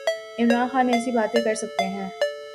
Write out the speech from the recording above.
عمران خان ایسی باتیں کر سکتے ہیں۔